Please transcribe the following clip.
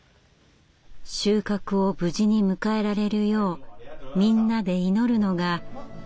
収穫を無事に迎えられるようみんなで祈るのが竹所の秋祭り。